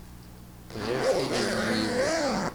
Bɣiɣ tilelli-w.